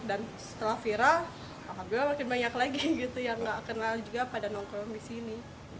dan setelah viral makin banyak lagi gitu yang nggak kenal juga pada nongkrong di sini